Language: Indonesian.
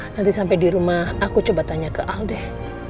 nanti sampai di rumah aku coba tanya ke aldeh